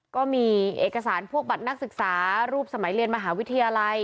ก็มีเอกสารพวกบัตรนักศึกษารูปสมัยเรียนมหาวิทยาลัย